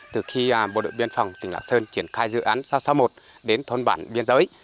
từ khi bộ đội biên phòng tỉnh lạng sơn triển khai dự án sáu trăm sáu mươi một đến thôn bản biên giới